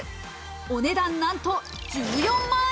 お値段、なんと１４万円。